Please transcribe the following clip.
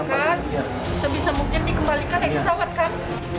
kembalikan yang disawatkan